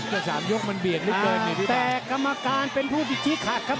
แต่กรรมการเป็นผู้ผิดชี้ขาดครับ